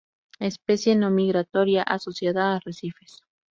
Especie no migratoria, asociada a arrecifes.